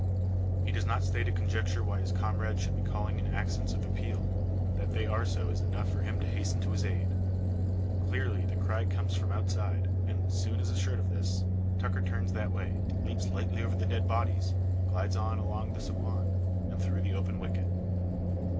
He does not stay to conjecture why his comrade should be calling in accents of appeal. That they are so is enough for him to hasten to his aid. Clearly the cry comes from outside; and, soon as assured of this, Tucker turns that way, leaps lightly over the dead bodies, glides on along the saguan, and through the open wicket.